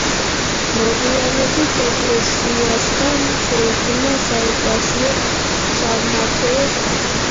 მოგვიანებით ეკლესიასთან შეიქმნა საეკლესიო-სამრევლო სკოლა.